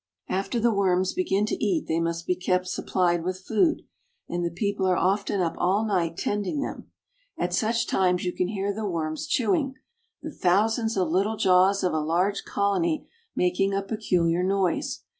After the worms begin to eat they must be kept supplied with food, and the people are often up all night tending them. At such times you can hear the worms chewing, the thousands of little jaws of a large colony making a peculiar noise.